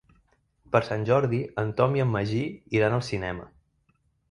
Per Sant Jordi en Tom i en Magí iran al cinema.